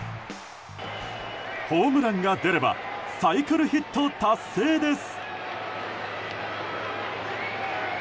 ホームランが出ればサイクルヒット達成です。